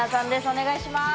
お願いします。